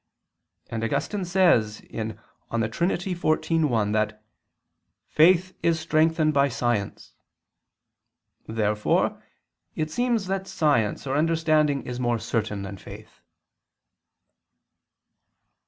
'continue']": and Augustine says (De Trin. xiv, 1) that "faith is strengthened by science." Therefore it seems that science or understanding is more certain than faith.